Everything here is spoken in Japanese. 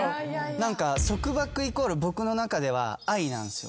何か束縛イコール僕の中では愛なんすよ。